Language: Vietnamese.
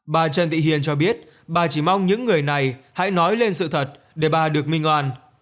bà trần thị hiền cho biết bà chỉ mong những người này hãy nói lên sự thật để bà được minh oan